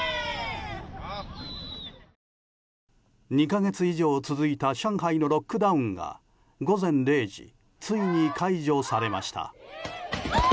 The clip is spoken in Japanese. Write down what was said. ２か月以上続いた上海のロックダウンが午前０時ついに解除されました。